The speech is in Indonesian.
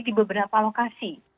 di beberapa lokasi